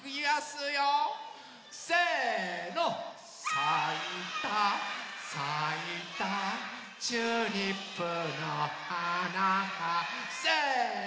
「さいたさいたチューリップのはなが」せの！